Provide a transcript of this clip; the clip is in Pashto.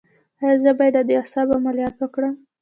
ایا زه باید د اعصابو عملیات وکړم؟